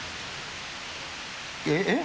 えっ？